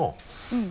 うん。